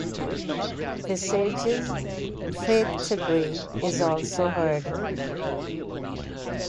Visage's "Fade to Grey" is also heard.